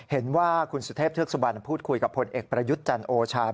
เห็นว่าคุณสุเทพเทือกสุบันพูดคุยกับพลเอกประยุทธ์จันทร์โอชา